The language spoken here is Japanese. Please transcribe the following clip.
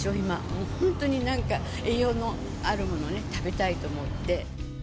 もう本当になんか栄養のあるものね、食べたいと思って。